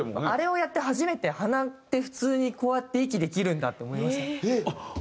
あれをやって初めて鼻って普通にこうやって息できるんだって思いました。